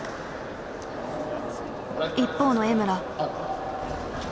一方の江村。